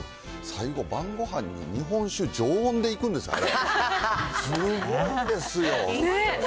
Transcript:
最後、晩ごはんに日本酒常温でいくんですよ、すごいですよ。